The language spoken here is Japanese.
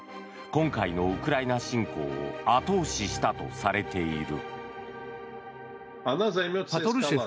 今回のウクライナ侵攻を後押ししたとされている。